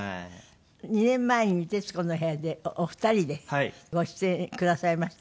２年前に『徹子の部屋』でお二人でご出演くださいました。